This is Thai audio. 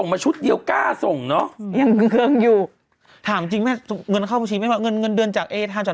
๕บาทเลยนะโอ้คุณแม่เจ้า